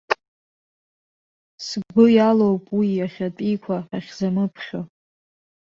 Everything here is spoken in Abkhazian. Сгәы иалоуп уи иахьатәиқәа ахьзамыԥхьо.